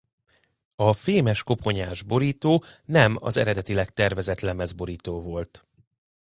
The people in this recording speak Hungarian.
A fémes-koponyás borító nem az eredetileg tervezett lemezborító volt.